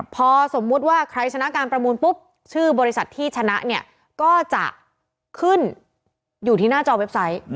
พอสมมุติว่าใครชนะการประมูลปุ๊บชื่อบริษัทที่ชนะเนี่ยก็จะขึ้นอยู่ที่หน้าจอเว็บไซต์